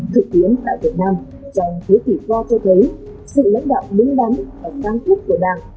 thực tiễn tại việt nam trong thế kỷ qua cho thấy sự lãnh đạo đứng đắn và tăng quốc của đảng